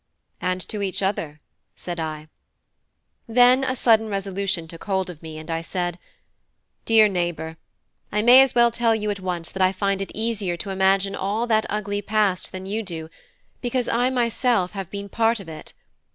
"And to each other," said I. Then a sudden resolution took hold of me, and I said: "Dear neighbour, I may as well tell you at once that I find it easier to imagine all that ugly past than you do, because I myself have been part of it.